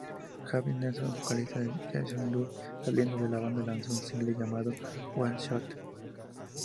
Hawk Nelson vocalista Jason Dunn Saliendo, La banda lanzó un single llamado "One Shot".